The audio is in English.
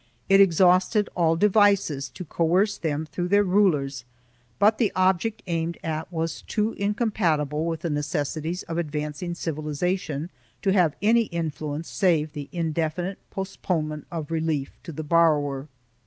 It exhausted all devices to coerce them through their rulers, but the object aimed at was too incom patible with the necessities of advancing civilization to have any influence save the indefinite postponement of relief to the bor rower.